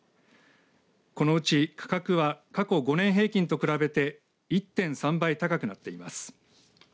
このうち価格は過去５年平均と比べて１．３倍高くなっています。